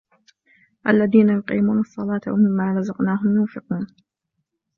الذين يقيمون الصلاة ومما رزقناهم ينفقون